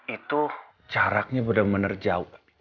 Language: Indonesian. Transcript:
itu jaraknya bener bener jauh